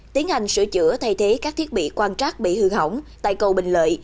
tiến hành sửa chữa thay thế các thiết bị quan trác bị hư hỏng tại cầu bình lợi